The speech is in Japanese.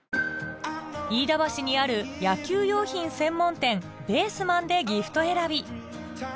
飯田橋にある野球用品専門店ベースマンでギフト選び